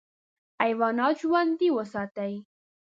حیوانات ژوندي وساتې.